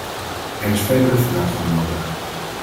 Er is verdere vooruitgang nodig.